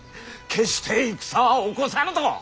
決して戦は起こさぬと！